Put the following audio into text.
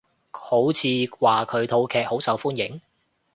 好似話佢套劇好受歡迎？